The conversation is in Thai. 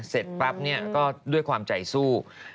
เสร็จปั๊บด้วยความใจสู้